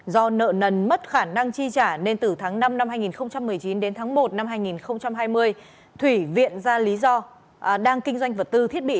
do nợ nần mất khả năng chi trả nên từ tháng năm năm hai nghìn một mươi chín đến tháng một năm hai nghìn hai mươi thủy viện ra lý do đang kinh doanh vật tư thiết bị